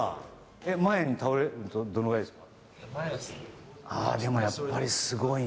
えっ前に倒れるとどのぐらいですか？